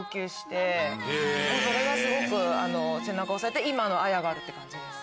それがすごく背中押されて今のＡＹＡがあるって感じです。